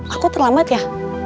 aku terlambat ya